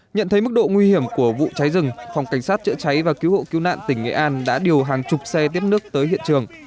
nhận thấy mức độ nguy hiểm của vụ cháy rừng phòng cảnh sát chữa cháy và cứu hộ cứu nạn tỉnh nghệ an đã điều hàng chục xe tiếp nước tới hiện trường